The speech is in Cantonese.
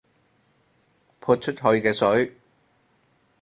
潑出去嘅水